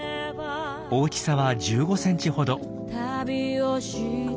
大きさは１５センチほど。